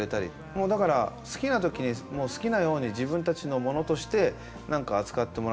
もうだから好きな時に好きなように自分たちのものとして何か扱ってもらってるような気がして。